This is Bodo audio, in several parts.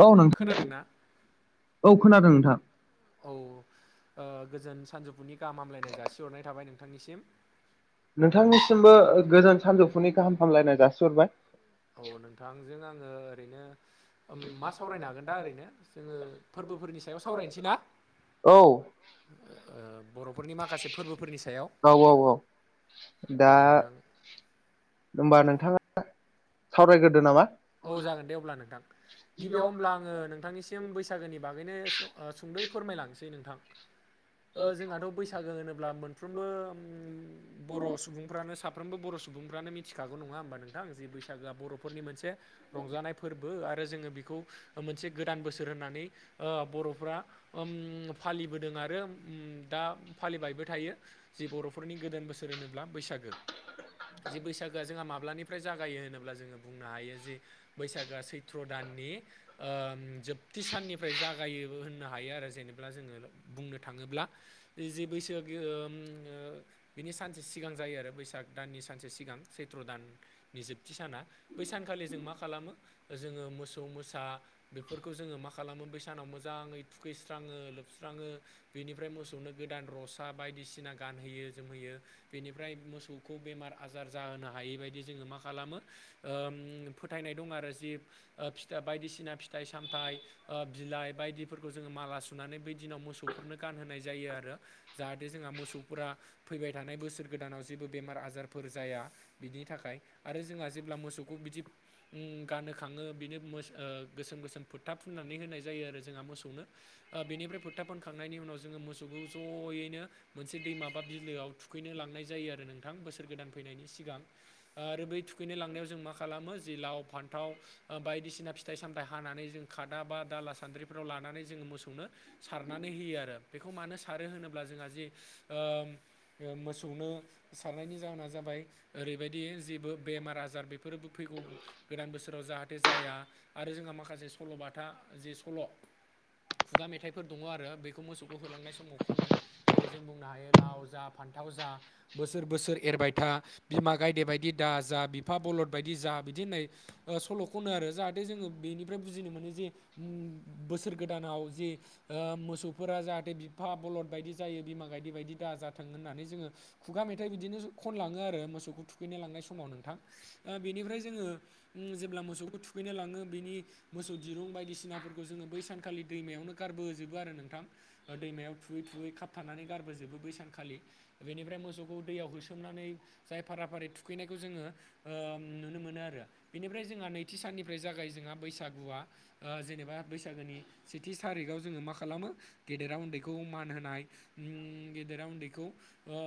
औ नोंथां खोनादोंना औ खोनादों औ ओ गोजोन सानजौफुनि गाहाम हामलायनाय जासिहरनाय थाबाय नोंथांनिसिम नोंथांनिसिमबो ओ गोजोन सानजौफुनि गाहाम फामलायनाय जासिहरबाय औ नोंथांजों आङो ओरैनो उम मा सावरायनो हागोन दा ओरैनो जोङो फोरबोफोरनि सायाव सावरायनोसै ना औ ओ बर'फोरनि माखासे फोरबोफोरनि सायाव औ औ औ। औ दा नोंथां होमबा नोंथांआ सावरायग्रोदो नामा औ जागोन दे अब्ला नोंथां गिबिआव होमब्ला आङो नोंथांनिसिम बैसागोनि बागैनो ओ सुंद'यै फोरमायलांसै नोंथां ओ जोंहाथ' बैसागो होनोब्ला मोनफ्रोमबो उम बर' सुबुंफ्रानो सा साफ्रोमबो बर' सुबुंफ्रानो मिथिखागौ नङा होमबा नोंथां जि बैसागोआ बर'फोरनि मोनसे रंजानाय फोरबो आरो जोङो बेखौ मोनसे गोदान बोसोर होननानै ओ बर'फ्रा ओम फालिबोदों आरो ओम दा फालिबायबो थायो जि बर'फोरनि गोदान बोसोर होनोब्ला बैसागो जे बैसागोआ जोंहा माब्लानिफ्राय जागायो होनोब्ला जोङो बुंनो हायो बैसागोआ सैथ्र दाननि जोबथि साननिफ्राय जागायो होननो हायो आरो जेबा जोङो बुंनो थाङोब्ला जे बैसोग बिनि सानसे सिगां जायो आरो बैसाग दाननि सानसे सिगां सैथ्र' दान नि जोबथि साना बै सानखालि जों मा खालामो जोङो मोसौ मोसा बेफोरखौ जोङो मा खालामो बै सानाव मोजाङै थुखैस्राङो लोबस्राङो बेनिफ्राय मोसौनो गोदान रसा बायदिसिना गानहोयो जोमहोयो बेनिफ्राय मोसौखौ बेमार आजार जाहोनो हायै बदि जोङो मा खालामो फोथायनाय दं आरो जिब फिथ बायदिसिना फिथाइ सामथाइ बिलाइ बायदिफोरखौ जोङो माला सुनानै बै दिनाव मोसौफोरनो गानहोनाय जायो आरो जाहाथे जोंहा मोसौफोरा फैबाय थानाय बोसोर गोदानाव जेबो बेमार आजारफोर जाया बिनि थाखाय आरो जोंहा जेब्ला मोसौखौ बिदि गानो खाङो बिनो गोसोम गोसोम फोथा फुननानै होनाय जायो आरो जोंहा मोसौनो बेनिफ्राय फुरथा फनखांनायनि उनाव जोङो मोसौखौ ज'यैनो मोनसे दैमाबा बिलोआव थुखैनो लांनाय जायो आरो नोंथां बोसोर गोदान फैनायनि सिगां आरो बै थुखैनो लांनायाव जों मा खालामो जि लाव फान्थाव बायदिसिना फिथाइ सामथाइ हानानै जों खादा बा दाला सान्द्रिफोराव लानानै जोङो मोसौनो सारनानै होयो आरो बेखौ मानो सारो होनोब्ला जोंहा जे ओ मोसौनो सारनायनि जाहोना जाबाय ओरैबायदि जेबो बेमार आजार बेफोरोबो फैगौ गोदान बोसोराव जाहाथे जाया आरो जोंहा माखासे सल'बाथा जे सल' खुगा मेथाइफोर दङ आरो बेखौ मोसौखौ होलांनाय समाव खनो जेरै जों बुंनो हायो लाव जा फान्थाव जा बोसोर बोसोर एरबाय था बिमा गायदे बायदि दा जा बिफा बलद बायदि जा बिदि होननाय सल' खनो आरो जाहाथे जोङो बेनिफ्राय बुजिनो मोनो जे बोसोर गोदानाव जि मोसौफोरा जाहाथे बिफा बलद बायदि जायो बिमा गायदि बायदि दाजाथों होननानै जोङो खुगा मेथाइ बिदिनो खनलाङो आरो मोसौखौ थुखैनाय लांनाय समाव नोंथां ओ बेनिफ्राय जोङो जेब्ला मोसौखौ थुखैनो लाङो बेनि मोसौ दिरुं बायदिसिनाफोरखौ जोङो बै सानखालि दैमायावनो गारबोजोबो आरो नोंथां दैमायाव थुयै थुयै खाबथानानै गारबोजोबो बैसानखालि बेनिफ्राय मोसौखौ दैयाव होसोमनानै जाय फारा फारि थुखैनायखौ जोङो नुनो मोनो आरो बेनिफ्राय जोंहा नैथि साननिफ्राय जागाय जोंहा बैसागुआ ओ जेनेबा बैसागोनि सेथि सारिखाव जोङो मा खालामो गेदेरा उन्दैखौ मान होनाय उम गेदेरा उन्दैखौ ओ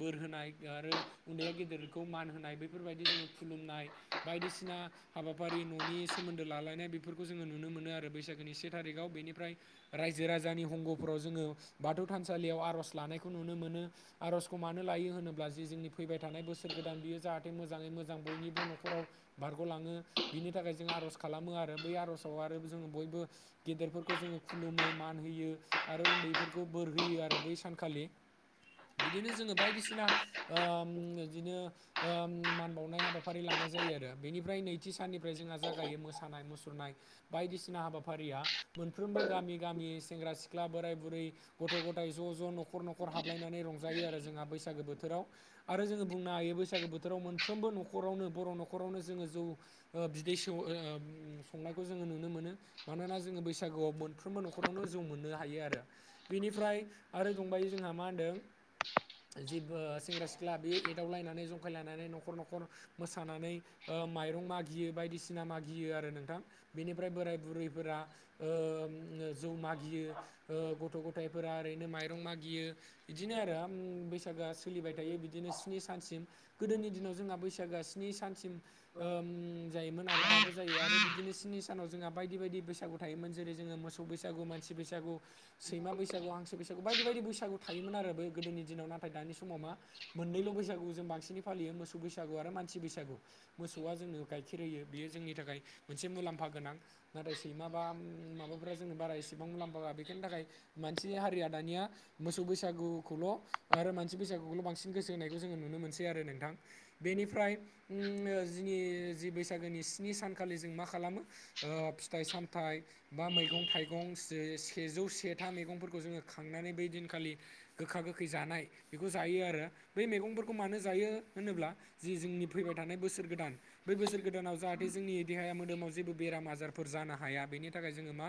बोर होनाय आरो उन्दैया गेदेरखौ मान होनाय बेफोरबायदि जोङो खुलुमनाय बायदिसिना हाबाफारि न'नि सोमोन्दो लालायनाय बेफोरखौ जोङो नुनो मोनो आरो बैसागोनि से थारिखाव बेनिफ्राय रायजो राजानि हंग'फोराव जोङो बाथौ थानसालियाव आर'ज लानायखौ नुनो मोनो आर'जखौ मानो लायो होनोब्ला जे जोंनि फैबाय थानाय बोसोर गोदान बियो जाहाथे मोजाङै मोजां बयनिबो न'ख खराव बारग'लाङो बिनि थाखाय जों आर'ज खालामो आरो बै आर'जआव आरो जों बयबो गेदेरफोरखौ जोङो खुलुमो मान होयो आरो उन्दैफोरखौ बोर होयो आरो बै सानखालि बिदिनो जोङो बायदिसिना ओम बिदिनो ओम मान बावनाय हाबाफारि लानाय जायो आरो बेनिफ्राय नैथि साननिफ्राय जोंहा जागायो मोसानाय मुसुरनाय बायदिसिना हाबाफारिया मोनफ्रोमबो गामि-गामि सेंग्रा- सिख्ला सिख्ला बोराइ-बुरै गथ'-गथाय ज'-ज' न'खर- न'खर हाबलायनानै रंजायो आरो जोंहा बैसागो बोथोराव आरो जोङो बुंनो हायो बैसागो बोथोराव मोनफ्रोमबो न'खरावनो बर' न'खरावनो जोङो जौ ओ बिदै सौ ओ संनायखौ जोङो नुनो मोनो। मानोना जोङो बैसागोआव मोनफ्रोमबो न'खरावनो जौ मोननो हायो आरो बेनिफ्राय आरो दंबाय जोंहा मा होनदों जिणबो ओ सेंग्रा- सिख्ला बे एदावलायनानै जंखायलायनानै न'खर- न'खर मोसानानै ओ माइरं मागियो बायदिसिना मागियो आरो नोंथां बेनिफ्राय बोराइ- बुरै फोरा ओ जौ मागियो ओ गथ'- गथायफोरा ओरैनो माइ रं मागियो इदिनो आरो आं बैसाग बैसागोआ सोलिबाय थायो बिदिनो स्नि सानसिम गोदोनि दिनाव जोंहा बैसागोआ स्नि सानसिम ओम जायोमोन आरो दाबो जायो आरो बिदिनो सिनि सानाव जोंहा बायदि बायदि बैसागु थायोमोन जेरै जोङो मोसौ बैसागु मानसि बैसागु सैमा बैसागु हांसो बैसागु बायदि बायदि बैसागु थायोमोन आरो बे गोदोनि दिनाव नाथाय दानि समाव मा मोननैल' बैसागु जों बांसिनै फालियो मोसौ बैसागु आरो मानसि बैसागु। मोसौआ जोंनो गाइखेर होयो बेयो जोंनि थाखाय मोनसे मुलाम्फा गोनां नाथाय सैमा बा माबाफोरा जोंङो बारा इसेबां मुलाम्फा होआ बेखायनि थाखाय मानसि हारिया दानिया मोसौ बैसागुखौल' आरो मानसि बैसागुखौल' बांसिन गोसो होनायखौ जोङो नुनो मोनसै आरो नोंथां। बेनिफ्राय उम जोंनि जि बैसागोनि स्नि सानखालि जों मा खालामो ओ फिथाइ- सामथाइ बा मैगं -थाइगं से ओ सेजौ सेथा मैगंफोरखौ जोङो खांनानै बै दिनखालि गोखा -गोखै जानाय बेखौ जायो आरो बै मैगंफोरखौ मानो जायो होनोब्ला जि जोंनि फैबाय थानाय बोसोर गोदान बै बोसोर गोदानाव जाहाथे जोंनि देहाया मोदोमाव जेबो बेराम-आजारफोर जानो हाया बेनि थाखाय जोङो मा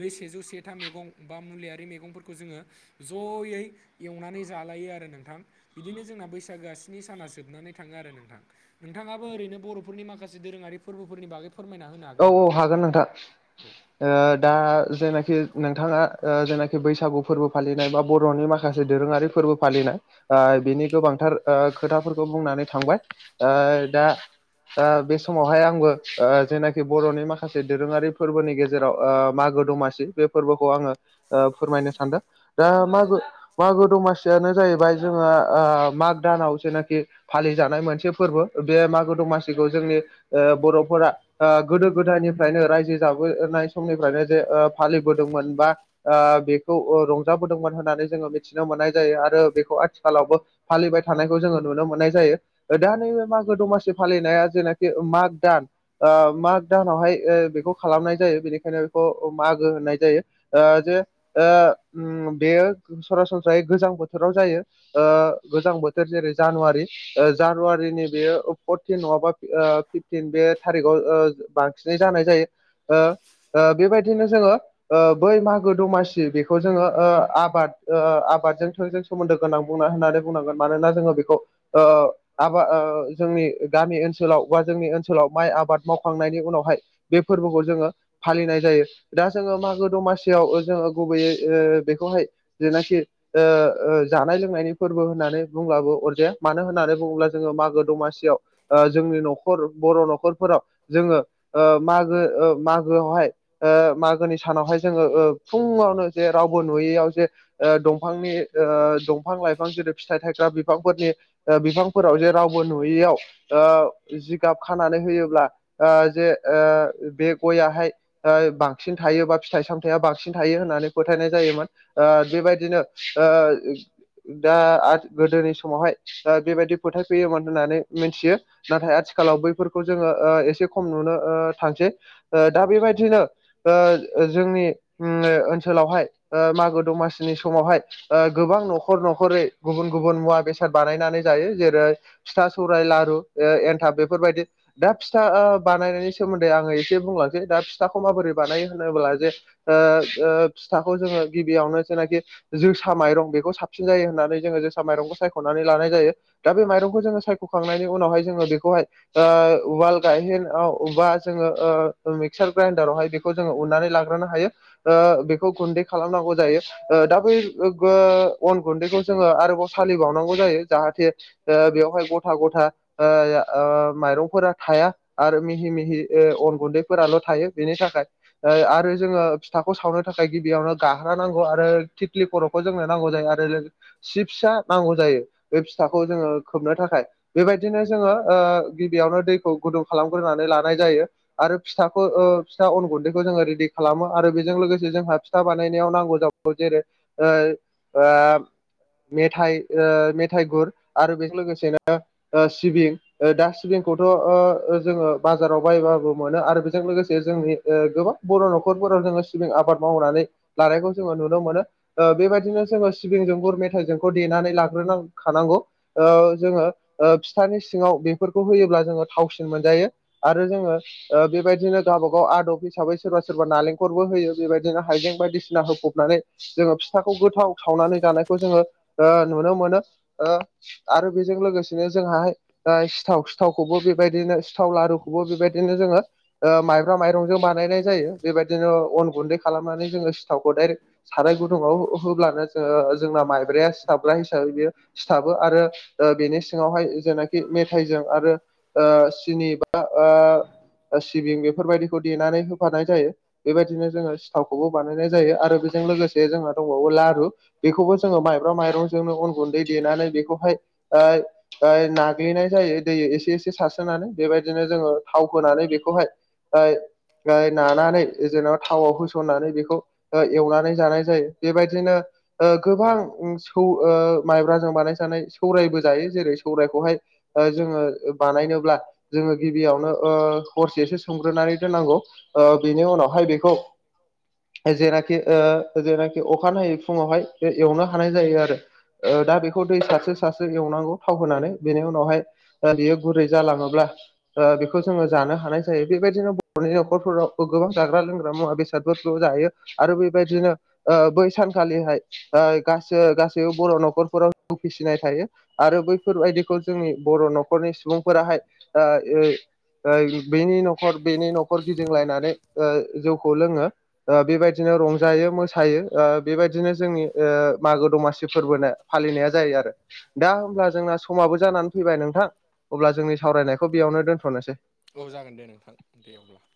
बेै सेजौ से था मैगं बा मुलियारि मैगंफोरखौ जोङो जयै एवनानै जालायो आरो नोंथां। बिदिनो जोंना बैसागोआ स्नि साना जोबनानै थाङो आरो नोंथां नोंथाङा बो ओरैनो बर'फोरनि माखासे दोरोङारि फोरबोफोरनि बागै फोरमायना होनो औ हागोन औ नामा? नोंथां। औ। ओ दा जेनाखि नोंथाङा ओ जेनाखि बैसागु फोरबो फालिनाय बा बर'नि माखासे दोरोङारि फोरबो फालिनाय ओ बिनि गोबांथार ओ खोथाफोरखौ बुंनानै थांबाय ओ दा ओ बे समावहाय आंबो ओ जेनाखि बर'नि माखासे दोरोङारि फोरबोनि गेजेराव ओ मागो दमासि बे फोरबोखौ आङो ओ फोरमायनो सानदों। दा मागो मागो दमासियानो जाहैबाय जोङो ओ माग दानाव जेनाखि फालिजानाय मोनसे फोरबो ओ बे मागो दमासिखौ जोंनि बर'फोरा ओ गोदो -गोदायनिफ्रायनो रायजो जाबोनाय समनिफ्रायनो जे ओ फालिबोदोंमोन बा ओ बेखौ रंजाबोदोंमोन होननानै जोङो मिथिनो मोननाय जायो आरो बेखौ आथिखालावबो फालिबाय थानायखौ जोङो नुनो मोननाय जायो। ओ दा नैबे मागो दमासि फालिनाया जेनाखि ओ माग दान ओ माग दाहानावहाय ओ बेखौ खालामनाय जायो बेनिखायनो बेखौ ओ मागो होननाय जायो। ओ जे ओ उम बेयो सरासनस्रायै गोजां बोथोराव जायो। ओ गोजां बोथोर जेरै जानुवारि ओ जानुवारिनि बेयो ओ फरटिन नङाबा ओ फिफटिन बे थारिखाव ओ बांसिन सिनै जानाय जायो ओ ओ बेबायदिनो जोङो ओ बै मागो दमासि बेखौ बेखौ जोङो ओ आबाद आबादजों थोंजों सोमोन्दो गोनां बुंना होननानै बुंनांगोन मानोना जोङो बेखौ ओ आबा जोंनि गामि ओनसोलाव बा जोंनि ओनसोलाव माइ आबाद मावखांनायनि उनावहाय बे फोरबोखौ जोङो फालिनाय जायो दा जोङो मागो दमासियाव ओ जोङो गुबैयै ओ बेखौहाय जेनाखि ओ ओ जानाय लोंनायनि फोरबो होननानै बुंब्लाबो अरजाया मानो होननानै बुङोब्ला जोङो मागो दमासियाव जोंनि न'खर बर' न'खरफोराव जोङो ओ मागो ओ मागो आवहाय ओ मागोनि सानावहाय जोङो ओ फुङावनो जे रावबो नुयैयाव जे ओ दंफांनि ओ दंफां लाइफां जेरै फिथाइ थायग्रा बिफांफोरनि ओ बिफांफोराव जे रावबो नुयैयाव ओ जिगाब खानानै होयोब्ला ओ जे बे गयाहाय ओ बांसिन थायोबा फिथाइ सामथायाइया बांसिन थायो होननानै फोथायनाय जायोमोन ओ बेबायदिनो ओ दा आ गोदोनि समावहाय ओ बेबायदि फोथायफैयोमोन होननानै मिथियो। नाथाय आथिखालाव बैफोरखौ जोङो ओ एसे खम ओ नुनो थांसै दा बेबायदिनो ओ जोंनि उम ओन ओनसोलावहाय ओ मागो दमासिनि समावहाय ओ गोबां न'खर न'खरै गुबुन गुबुन मुवा बेसाद बानायनानै जायो जेरै फिथा सौराइ लारु ओ एनथाब बेफोरबायदि दा फिथा ओ बानायनायनि सोमोन्दै आङो एसे बुंलांसै दा फिथाखौ माबोरै बानायो होनोब्ला जे ओ ओ फिथाखौ जोङो गिबियावनो जेनाखि जोसा माइरं बेखौ साबसिन जायो होननानै जोङो जोसा माइरंखौ सायख'नानै लानाय जायो। दा बे माइरंखौ जोङो सायख'खांनायनि उनावहाय जोङो बेखौहाय ओ उवाल गायहेनाव अबावबा जोङो ओ मिक्सार ग्राइडारावहाय खौ जोङो उन्नानै लाग्रोनो हायो ओ बेखौ गुन्दै खालामनांगौ जायो। ओ दा बै ओ अन गुन्दैखौ जोङो आरोबाव सालिबावनांगौ जायो जाहाथे ओ बेवहाय गथा गथा ओ ओ माइरंफोरा थाया आरो मिहि मिहि ओ अन गुन्दैफोराल' थायो बेनि थाखाय आरो जोङो फिथाखौ सावनो थाखाय गिबियावनो गाग्रा नांगौ आरो थिथलि खर'खौ जोंनो नांगौ जायो आरो लो सिप्सा नांगौ जायो बे फिथाखौ जोङो खोबनो थाखाय बेबायदिनो जोङो ओ गिबियावनो दैखौ गुदुं खालामग्रोनानै लानाय जायो। आरो फिथाखौ ओ फिथा अन गुन्दैखौ जोङो रेडि खालामो आरो बेजों लोगोसे जोंहा फिथा बानायनायाव नांगौ जौ जेरै ओ आ मेथाइ ओ मेथाइ गुर आरो बेजों लोगोसेनो ओ सिबिं ओ डासटबिनखौथ' जोङो बाजाराव बायबाबो मोनो आरो बेजों लोगोसे जोंनि ओ गोबां बर' न'खरफोराव जोङो सिबिं आबाद मावनानै लारायखौ जोङो नुनो नुनो मोनो ओ बेबायदिनो जोङो सिबिंजों गुर मेथाइजोंखौ देनानै लाग्रोनां खानांगौ। ओ जोङो फिथानि सिङाव बेफोरखौ होयोब्ला जोङो थावसिन मोनजायो। आरो जोङो ओ बेबायदिनो गावबा गाव आदब हिसाबै सोरबा सोरबा नालेंखरबो होयो। बेबायदिनो हाइजें बायदिसिना होफबनानै। जोङो फिथाखौ गोथाव सावनानै जानायखौ जोङो ओ नुनो मोनो। आरो बेजों लोगोसेनो जोंहाय दा ओ सिथाव सिथावखौबो बेबायदिनो सिथाव लारुखौबो बेबायदिनो जोङो। ओ माइब्रा माइरंजों बानायनाय जायो बेबायदिनो अन गुन्दै खालामनानै जोङो सिथाव गदाइ साराय गुदुङाव होब्लानो। ओ जोंना माइब्राया सिथाबग्रा हिसाबै बियो। सिथाबो आरो बेनि सिङावहाय जेनाखि मेथाइजों आरो। ओ सिनि बा ओ सिबिं बेफोरबायदिखौ देनानै होफानाय जायो बेबायदिनो जोङो सिथावखौबो बानायनाय जायो आरो बेजों लोगोसे जोंहा दंबावो लारु। बेखौबो जोङो माइब्रा माइरंजोंनो अन गुन्दै देनानै बेखौहाय ओ नाग्लिनाय जायो दै एसे एसे सा बेबायदिनो जोङो थाव होनानै बेखौहाय नानानै जेन' थावआव होसननानै बेखौ एवनानै जानाय जायो बेबायदिनो। गोबां सौ माइब्राजों बानायजानाय सौरायबो जायो जेरै सौरायखौहाय। जोङो बानायनोब्ला। जोङो गिबियावनो हरसेसो सोमग्रोनानै दोननांगौ बेनि उनावहाय बे जेनाखि जेनाखि अखानायै फुङावहाय एवनो हानाय जायो आरो। दा बेखौ दै सारसे सारसे एवनांगौ थाव होनानै बेनि उनावहाय। ओरयो गुरै जालाङोब्ला बेखौ जोङो जानो हानाय जायो बेबायदिनो बर'नि न'खरफोरावबो गोबां जाग्रा लोंग्रा। मुवा बेसादफोरखौ जायो आरो बेबायदिनो बै सानखालिहाय। गास गासैबो बर' न'खरफोराव फिसिनाय थायो। आरो बैफोरबायदिखौ जोंनि बर' न'खरनि सुबुंफोराहाय बेनि न'खर बेनि न'खर गिदिंलायनानै जौखौ लोङो। बेबायदिनो रंजायो मोसायो बेबायदिनो जोंनि मागो दमासि फोरबोनो फालिनाया जायो आरो। दा हब्ला जोंना समाबो जानानै फैबाय नोंथां अब्ला जोंनि सावरायनायखौ बेयावनो दोनथ'नोसै। औ जागोन दे नोंथां दे अब्ला।